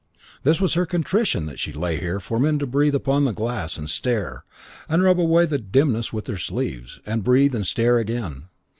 This was her contrition that she lay here for men to breathe upon the glass, and stare, and rub away the dimness with their sleeves, and breathe, and stare again.